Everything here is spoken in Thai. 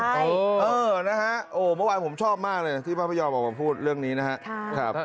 เมื่อวานผมชอบมากเลยที่พระพยอมพูดเรื่องนี้นะครับ